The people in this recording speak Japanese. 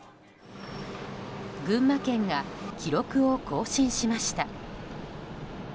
群馬県が記録を更新しました。